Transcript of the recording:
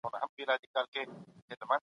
منظم پلان د ضایعاتو مخه نیسي.